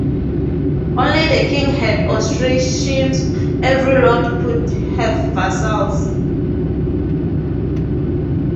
Only the king had "antrustions"; every lord could have vassals.